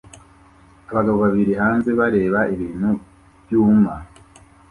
Abagabo babiri hanze bareba ibintu byuma